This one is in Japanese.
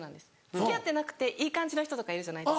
付き合ってなくていい感じの人とかいるじゃないですか。